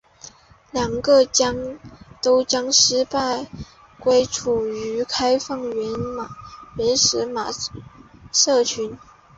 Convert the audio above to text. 两个都将失败归咎于开放原始码社群。